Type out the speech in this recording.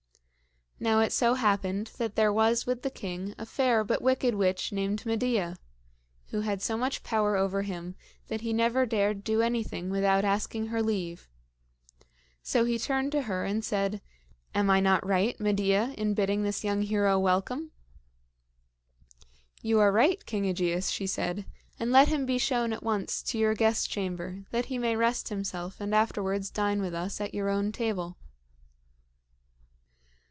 Now it so happened that there was with the king a fair but wicked witch named Medea, who had so much power over him that he never dared to do anything without asking her leave. So he turned to her, and said: "Am I not right, Medea, in bidding this young hero welcome?" "You are right, King AEgeus," she said; "and let him be shown at once to your guest chamber, that he may rest himself and afterwards dine with us at your own table."